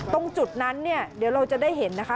ตรงจุดนั้นเนี่ยเดี๋ยวเราจะได้เห็นนะคะ